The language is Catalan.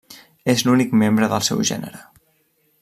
És l'únic membre del seu gènere.